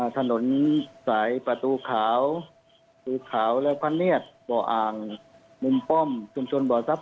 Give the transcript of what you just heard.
ถนนสายประตูขาวภูขาวและพระเนียดบ่ออ่างมุมป้อมชุมชนบ่อทรัพย